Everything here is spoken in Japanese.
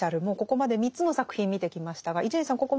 もうここまで３つの作品見てきましたが伊集院さん